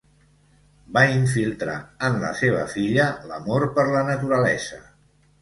Va infiltrar en la seva filla l'amor per la naturalesa.